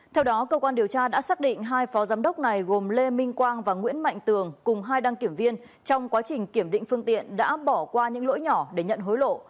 theo đó cơ quan điều tra đã xác định hai phó giám đốc này gồm lê minh quang và nguyễn mạnh tường cùng hai đăng kiểm viên trong quá trình kiểm định phương tiện đã bỏ qua những lỗi nhỏ để nhận hối lộ